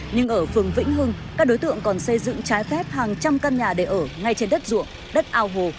nhưng ở phường vĩnh hưng các đối tượng còn xây dựng trái phép hàng trăm căn nhà để ở ngay trên đất ruộng đất ao hồ